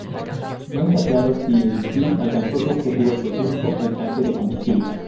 No está claro si el misil alcanzó su objetivo específico, el tanque de combustible.